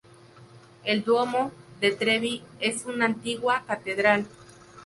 El "duomo" de Trevi es una antigua catedral.